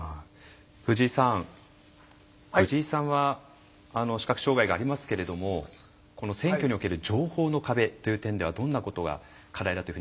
藤井さんは視覚障害がありますけれども選挙における情報の壁という点ではどんなことが課題だと感じますか。